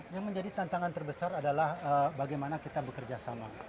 yang menjadi tantangan terbesar adalah bagaimana kita bekerja sama